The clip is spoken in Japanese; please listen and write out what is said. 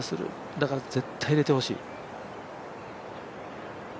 だから絶対入れてほしい。